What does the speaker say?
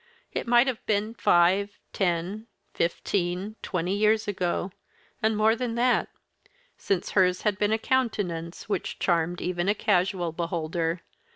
It might have been five, ten, fifteen, twenty years ago and more than that since hers had been a countenance which charmed even a casual beholder.